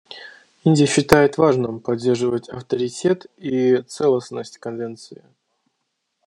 Индия считает важным поддерживать авторитет и целостность Конвенции.